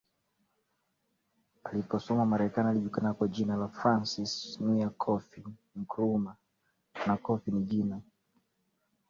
aliposoma Marekani alijulikana kwa jina la Francis Nwia Kofi Nkrumah na Kofi ni jina